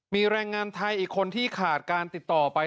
มีแรงงานไทยอีกคนที่ขาดการติดต่อไป